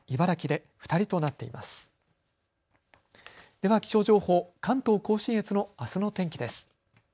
では気象情報、関東甲信越のあすの天気です。